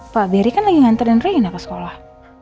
pak beri kan lagi ngantar dan ringin apa sekolah